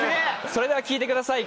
それでは聴いてください